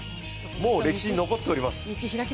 もう歴史に残っております。